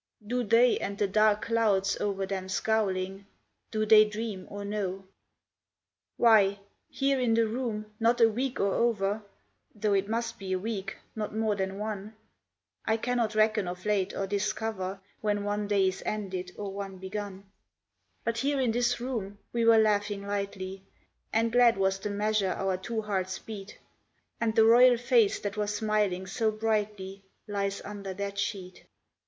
Do they and the dark clouds over them scowling, Do they dream or know? Why, here in the room, not a week or over Tho' it must be a week, not more than one (I cannot recken of late or discover When one day is ended or one begun), But here in this room we were laughing lightly, And glad was the measure our two hearts beat; And the royal face that was smiling so brightly Lies under that sheet.